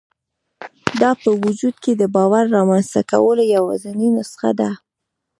دا په وجود کې د باور رامنځته کولو یوازېنۍ نسخه ده